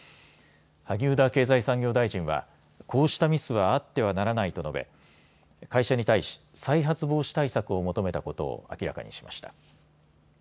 萩生田経済産業大臣はこうしたミスはあってはならないと述べ、会社に対し再発防止対策を求めたことを明らかにしました。